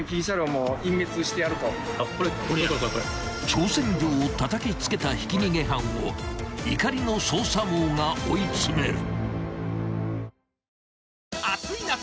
［挑戦状をたたきつけたひき逃げ犯を怒りの捜査網が追い詰める］